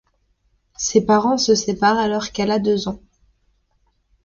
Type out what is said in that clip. Ses parents se séparent alors qu'elle a deux ans.